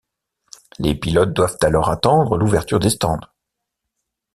Les pilotes doivent alors attendre l'ouverture des stands.